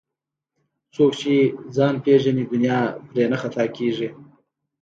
څوک چې ځان پیژني دنیا پرې نه خطا کېږي